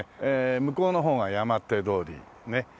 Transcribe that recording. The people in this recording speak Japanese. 向こうの方が山手通り。ねっ。